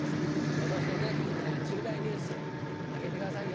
今年の重大ニュース挙げてくださいよ。